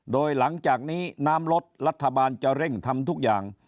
โดยหลังจากนี้น้ำลดรัฐบาลจะเร่งทำทุกอย่าง